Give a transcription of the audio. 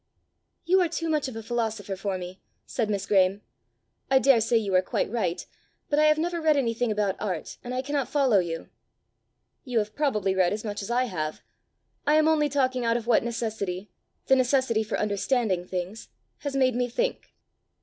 "You are too much of a philosopher for me!" said Miss Graeme. "I daresay you are quite right, but I have never read anything about art, and cannot follow you." "You have probably read as much as I have. I am only talking out of what necessity, the necessity for understanding things, has made me think.